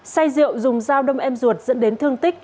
say rượu dùng dao đâm em ruột dẫn đến thương tích